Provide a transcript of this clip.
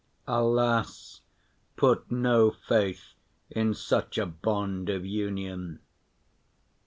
Alas, put no faith in such a bond of union.